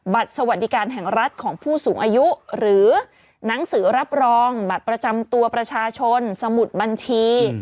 สวัสดีการแห่งรัฐของผู้สูงอายุหรือหนังสือรับรองบัตรประจำตัวประชาชนสมุดบัญชี